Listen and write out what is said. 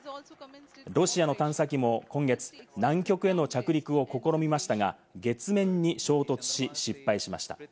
ロシアの探査機も今月、南極への着陸を試みましたが、月面に衝突し、失敗しました。